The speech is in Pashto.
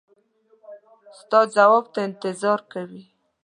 ستا ځواب ته انتظار کوي.